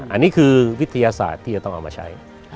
อันนี้คือวิทยาศาสตร์ที่จะต้องเอามาใช้